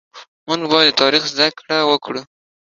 مونږ بايد د تاريخ زده کړه وکړو